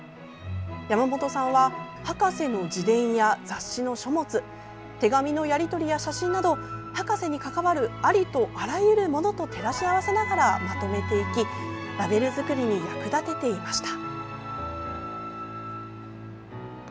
山本さんは博士の自伝や雑誌の書物手紙のやりとりや写真など博士に関わるありとあらゆるものと照らし合わせながらまとめていきラベル作りに役立てていました。